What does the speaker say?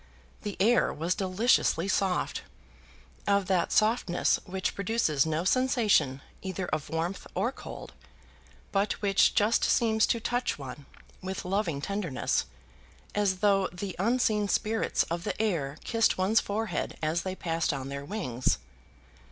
The air was deliciously soft; of that softness which produces no sensation either of warmth or cold, but which just seems to touch one with loving tenderness, as though the unseen spirits of the air kissed one's forehead as they passed on their wings.